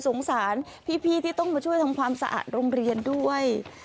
สงสารพี่ที่ต้องมาช่วยทำความสะอาดโรงเรียนด้วย